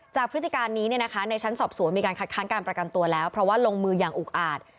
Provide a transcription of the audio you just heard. พฤติการนี้ในชั้นสอบสวนมีการคัดค้างการประกันตัวแล้วเพราะว่าลงมืออย่างอุกอาจ